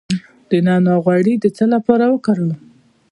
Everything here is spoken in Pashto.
د نعناع غوړي د څه لپاره وکاروم؟